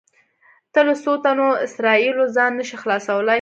ته له څو تنو اسرایلو ځان نه شې خلاصولی.